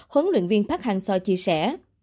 huấn luyện viên park hang seo chia sẻ